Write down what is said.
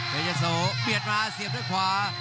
เพชรเจ้าโสเบียดมาเสียบด้วยขวา